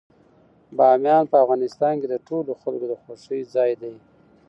بامیان په افغانستان کې د ټولو خلکو د خوښې ځای دی.